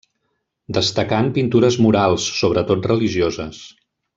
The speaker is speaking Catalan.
Destacà en pintures murals, sobretot religioses.